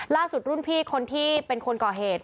รุ่นพี่คนที่เป็นคนก่อเหตุ